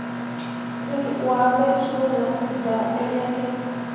Tetel wuah me suu lan me daa ɗeryakke.